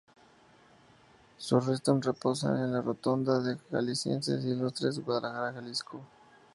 Sus restos reposan en la Rotonda de los Jaliscienses Ilustres, Guadalajara, Jalisco.